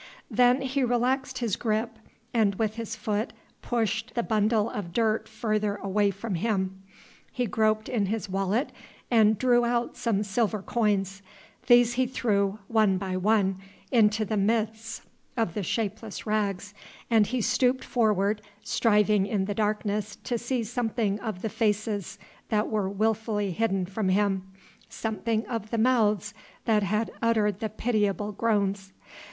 Then he relaxed his grip, and with his foot pushed the bundle of dirt further away from him. He groped in his wallet and drew out some silver coins. These he threw, one by one, into the midst of the shapeless rags, and he stooped forward, striving in the darkness to see something of the faces that were wilfully hidden from him, something of the mouths that had uttered the pitiable groans.